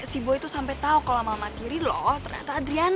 si boy tuh sampe tau kalo sama tiri lo ternyata adriana